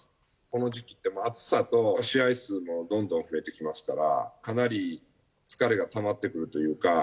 この時期って、暑さと試合数もどんどん増えてきますから、かなり疲れがたまってくるというか。